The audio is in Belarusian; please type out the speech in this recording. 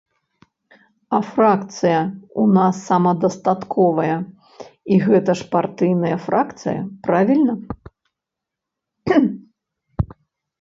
А фракцыя ў нас самадастатковая, і гэта ж партыйная фракцыя, правільна?